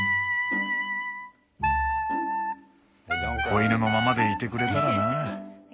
子犬のままでいてくれたらな。